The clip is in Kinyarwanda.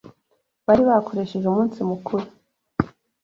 Bari bakoresheje umunsi mukuru